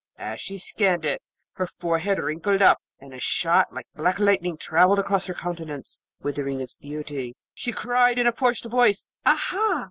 As she scanned it her forehead wrinkled up, and a shot like black lightning travelled across her countenance, withering its beauty: she cried in a forced voice, 'Aha!